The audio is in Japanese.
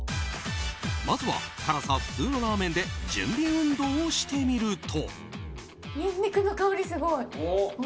まずは、辛さ普通のラーメンで準備運動してみると。